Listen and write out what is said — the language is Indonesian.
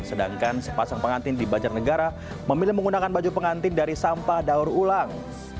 sedangkan sepasang pengantin di banjarnegara memilih menggunakan baju pengantin dari sampah daur ulang